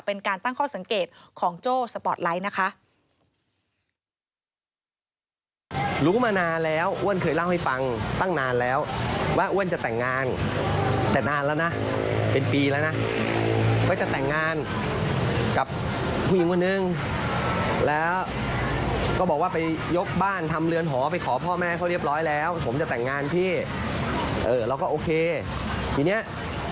เป็นการตั้งข้อสังเกตของโจ้สปอร์ตไลท์นะคะ